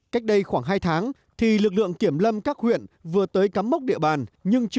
cách đây khoảng hai tháng lực lượng kiểm lâm các huyện vừa tới cắm mốc địa bàn